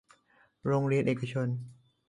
โรงเรียนเอกชน